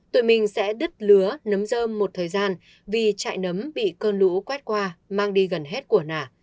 tụi mình sẽ đứt lứa nấm dơm một thời gian vì trại nấm bị cơn lũ quét qua mang đi gần hết của nả